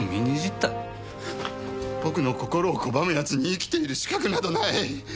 僕の心を拒む奴に生きている資格などない。